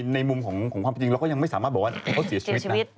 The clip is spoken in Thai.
ในมุมของความจริงเราก็ยังไม่สามารถบอกว่าเขาเสียชีวิตนะ